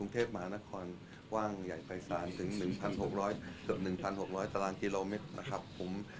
ต้องให้เขตไปดูนะครับผม